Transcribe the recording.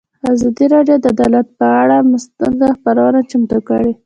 ازادي راډیو د عدالت پر اړه مستند خپرونه چمتو کړې.